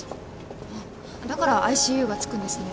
ああだから「ＩＣＵ」がつくんですね。